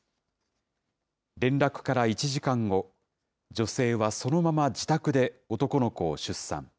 連絡から１時間後、女性はそのまま自宅で男の子を出産。